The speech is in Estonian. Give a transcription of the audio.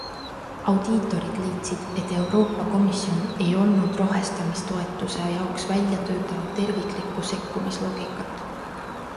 Audiitorid leidsid, et Euroopa Komisjon ei olnud rohestamistoetuse jaoks välja töötanud terviklikku sekkumisloogikat.